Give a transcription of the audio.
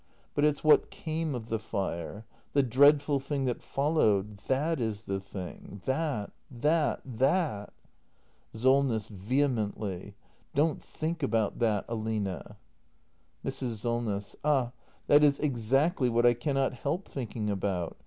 But it's what came of the fire — the dreadful thing that followed ! That is the thing! That, that, that! Solness. [Vehemently.] Don't think about that, Aline! Mrs. Solness. Ah, that is exactly what I cannot help thinking about.